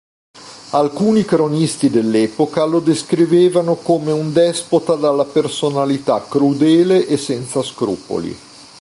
Alcuni cronisti dell'epoca, lo descrivevano come un despota dalla personalità crudele e senza scrupoli.